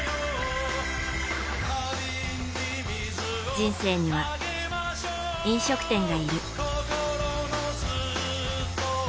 人生には、飲食店がいる。